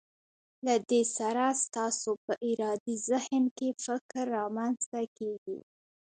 له دې سره ستاسو په ارادي ذهن کې فکر رامنځته کیږي.